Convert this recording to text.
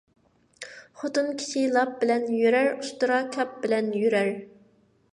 خوتۇن كىشى لاپ بىلەن يۈرەر، ئۇستىرا كاپ بىلەن يۈرەر